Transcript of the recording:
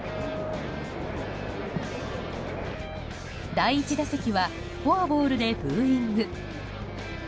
第１打席はフォアボールでブーイング。